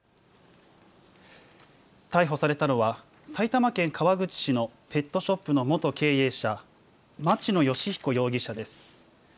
逮捕されたのは埼玉県川口市のペットショップの元経営者、町野義彦容疑者です。